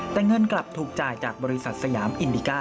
แต่เงินกลับถูกจ่ายจากบริษัทสยามอินดิก้า